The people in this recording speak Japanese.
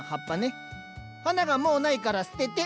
花がもう無いから捨てて。